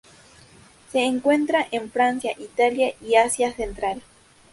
Se encuentra en Francia, Italia y Asia central.